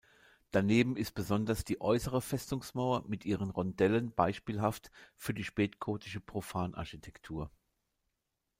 Daneben ist besonders die äußere Festungsmauer mit ihren Rondellen beispielhaft für die spätgotische Profanarchitektur.